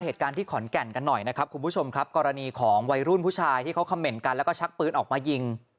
เหตุการณ์ที่ขอนแก่นกันหน่อยนะครับคุณผู้ชมครับกรณีของวัยรุ่นผู้ชายที่เขาคำเหน่นกันแล้วก็ชักปืนออกมายิง